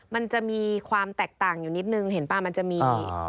มันจะมีความแตกต่างอยู่นิดนึงเห็นป่ะมันจะมี